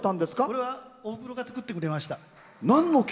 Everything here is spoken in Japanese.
これは、おふくろが作ってくれました。